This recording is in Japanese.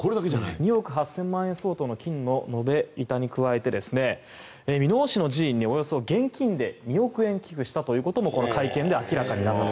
２億８０００万円相当の金の延べ板に加えて箕面市の寺院に、およそ現金で２億円寄付したこともこの会見で明らかになったと。